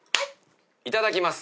いただきます。